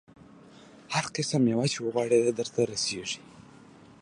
هر قسم مېوه چې وغواړې درته رسېږي.